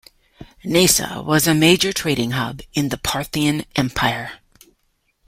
Nisa was a major trading hub in the Parthian Empire.